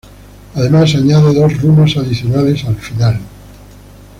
Además añade dos runas adicionales al final.